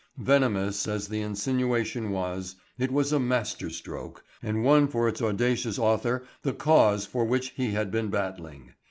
Venomous as the insinuation was, it was a master stroke and won for its audacious author the cause for which he had been battling.